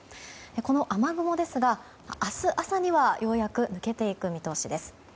この雨雲ですが明日朝にはようやく抜けていく見通しです。